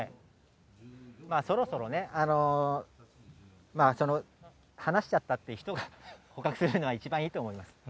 そろそろね、離しちゃったって人が捕獲するのが一番いいと思います。